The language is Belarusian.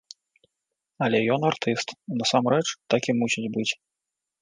Але ён артыст, і насамрэч, так і мусіць быць!